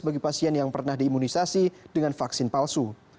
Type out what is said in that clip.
bagi pasien yang pernah diimunisasi dengan vaksin palsu